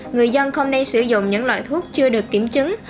người dân không nên sử dụng những loại thuốc chưa được kiểm chứng